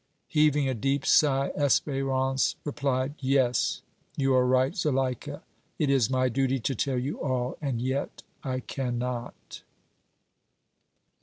Heaving a deep sigh, Espérance replied: "Yes, you are right, Zuleika; it is my duty to tell you all and yet I cannot!"